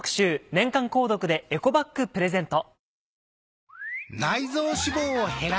年間購読でエコバッグプレゼント。